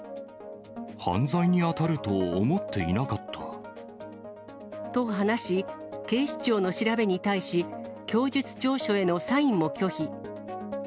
犯罪に当たると思っていなかと、話し、警視庁の調べに対し、供述調書へのサインも拒否。